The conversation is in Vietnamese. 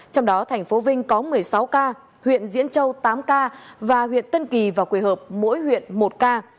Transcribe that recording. trong đó thành phố vinh có một mươi sáu ca huyện diễn châu tám ca và huyện tân kỳ và quỳ hợp mỗi huyện một ca